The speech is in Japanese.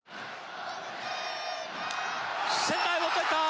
センターへ持っていった。